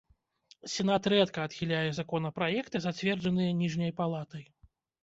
Сенат рэдка адхіляе законапраекты, зацверджаныя ніжняй палатай.